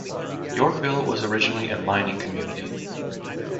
Yorkville was originally a mining community.